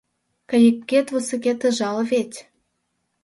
Кайыкет-вусыкет ыжал вет.